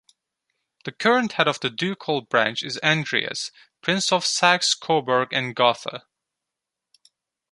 The current head of the ducal branch is Andreas, Prince of Saxe-Coburg and Gotha.